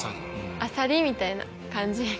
あさりみたいな感じ。